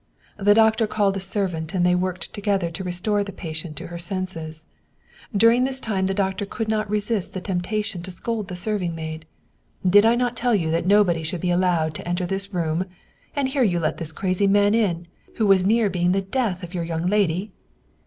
The doctor called a servant and they worked together to restore the patient to her senses. During this time the doctor could not resist the temptation to scold the serving maid. " Did I not tell you that nobody should be allowed to enter this room? And here you let this crazy man in, who was near being the death of your young lady!"